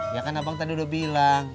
ya kan abang tadi udah bilang